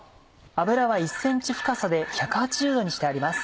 油は１ｃｍ深さで１８０℃にしてあります。